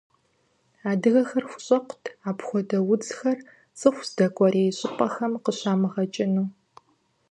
Адыгэхэр хущӏэкъут апхуэдэ удзхэр цӏыху здэкӏуэрей щӏыпӏэхэм къыщамыгъэкӏыну.